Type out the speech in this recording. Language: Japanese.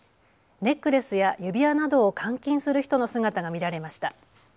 ネックレスや指輪などを換金する人の姿が見られました。